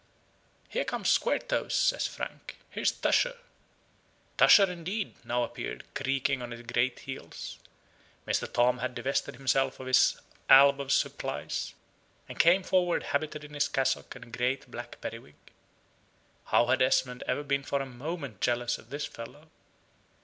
"Here comes Squaretoes," says Frank. "Here's Tusher." Tusher, indeed, now appeared, creaking on his great heels. Mr. Tom had divested himself of his alb or surplice, and came forward habited in his cassock and great black periwig. How had Esmond ever been for a moment jealous of this fellow?